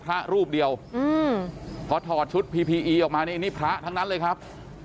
พระรูปเดียวอืมพอถอดชุดพีพีอีออกมานี่นี่พระทั้งนั้นเลยครับ